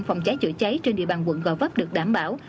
phòng cháy chữa cháy trên địa bàn quận gò vấp được đảm bảo